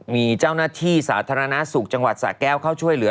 มีเจ้าหน้าที่สาธารณสุขจังหวัดสะแก้วเข้าช่วยเหลือ